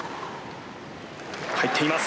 入っています。